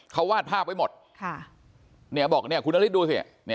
เขาวาดภาพไว้หมดเนี่ยบอกเนี่ยคุณอาริสต์ดูสิเนี่ย